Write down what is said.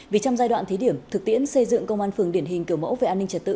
vì trong giai đoạn thí điểm thực tiễn xây dựng công an phường điển hình kiểu mẫu về an ninh trật tự